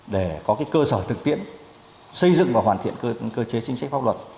để có cơ sở thực tiễn xây dựng và hoàn thiện cơ chế chính sách pháp luật